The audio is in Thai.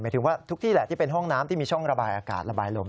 ถึงว่าทุกที่แหละที่เป็นห้องน้ำที่มีช่องระบายอากาศระบายลม